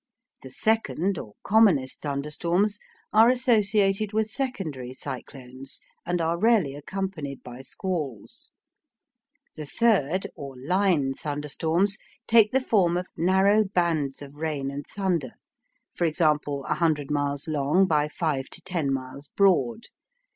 The second, or commonest thunderstorms, are associated with secondary cyclones, and are rarely accompanied by squalls The third, or line thunderstorms, take the form of narrow bands of rain and thunder for example, 100 miles long by 5 to 10 miles broad.